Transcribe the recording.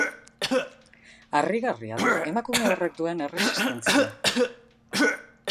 Harrigarria da emakume horrek duen erresistentzia.